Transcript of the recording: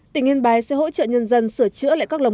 tỉnh yên bái sẽ hỗ trợ nhân dân sửa chữa lại các lồng